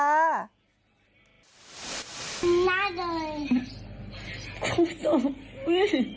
คุณสอบ